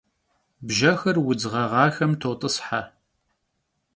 Bjexer vudz ğeğaxem tot'ıshe.